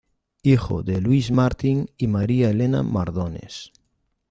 Hijo de Luis Martin y María Elena Mardones.